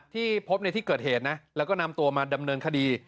ที่พบในที่เกิดเหตุนะแล้วก็นำตัวมาดำเนินคดี